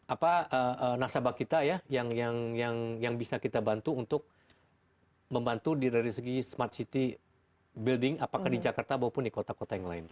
apa nasabah kita ya yang bisa kita bantu untuk membantu dari segi smart city building apakah di jakarta maupun di kota kota yang lain